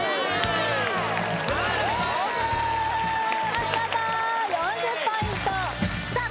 お見事４０ポイントさあ